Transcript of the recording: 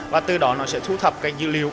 và từ đó nó sẽ thu thập cái dữ liệu